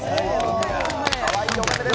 かわいいおめめです。